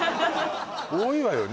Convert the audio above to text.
多いわよね